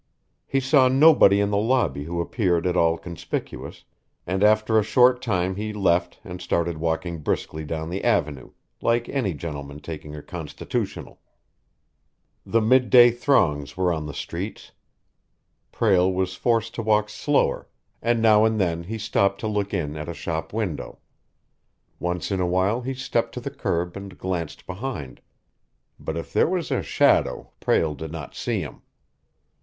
He saw nobody in the lobby who appeared at all conspicuous, and after a short time he left and started walking briskly down the Avenue, like any gentleman taking a constitutional. The midday throngs were on the streets. Prale was forced to walk slower, and now and then he stopped to look in at a shop window. Once in a while he stepped to the curb and glanced behind. But if there was a "shadow" Prale did not see him.